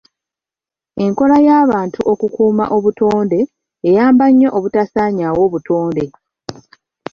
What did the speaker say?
Enkola y'abantu okukuuma obutonde eyamba nnyo obutasaanyaawo butonde.